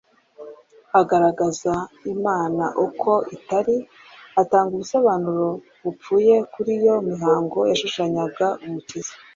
Agaragaza Imana uko itari, atanga ubusobanuro bupfuye kuri iyo mihango yashushanyaga Umukiza.